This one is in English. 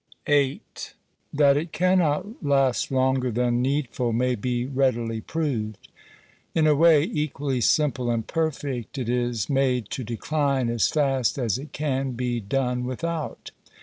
That it cannot last longer than needful may be readily proved. In a way equally simple and perfect it is made to decline as fast as it can be done without.